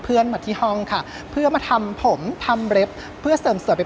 เพื่อนมาที่ห้องค่ะเพื่อมาทำผมทำเล็บเพื่อเสริมสวยไป